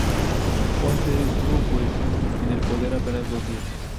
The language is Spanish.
Ponce estuvo pues en el poder apenas dos días.